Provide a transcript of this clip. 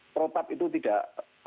protak itu tidak